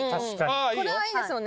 これはいいですよね